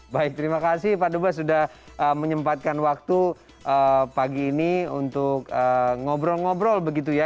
baik terima kasih pak dubas sudah menyempatkan waktu pagi ini untuk ngobrol ngobrol begitu ya